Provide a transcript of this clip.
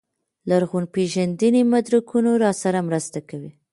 لرغونپېژندنې مدرکونه راسره مرسته کوي.